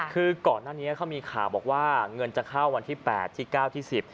คือก่อนหน้านี้เขามีข่าวบอกว่าเงินจะเข้าวันที่๘ที่๙ที่๑๐